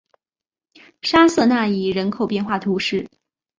沙瑟讷伊人口变化图示